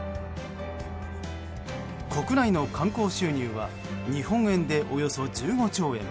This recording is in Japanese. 国内の観光収入は日本円でおよそ１５兆円。